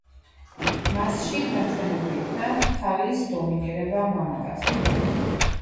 მასში ნაჩვენები იქნა ქალის დომინირება მამაკაცებზე.